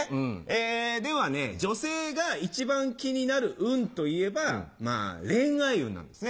ではね女性が一番気になる運といえばまぁ恋愛運なんですね。